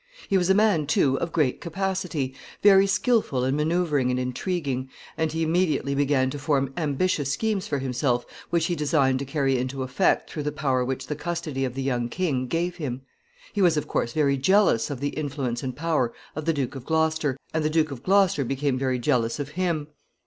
He was a man, too, of great capacity, very skillful in manoeuvring and intriguing, and he immediately began to form ambitious schemes for himself which he designed to carry into effect through the power which the custody of the young king gave him. He was, of course, very jealous of the influence and power of the Duke of Gloucester, and the Duke of Gloucester became very jealous of him.